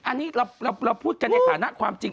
อันนี้เราพูดกันในฐานะความจริง